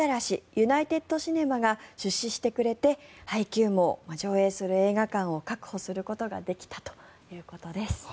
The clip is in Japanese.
ユナイテッド・シネマが出資してくれて配給網、上映する映画館を確保できたということです。